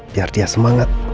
biar dia semangat